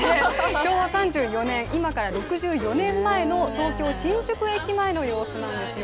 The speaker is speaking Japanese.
昭和３４年今から６４年前の東京・新宿駅前の様子なんですよ。